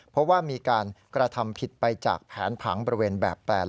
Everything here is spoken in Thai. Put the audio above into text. เพราะว่ามีการกระทำผิดไปจากแผนผังบริเวณแบบแปลน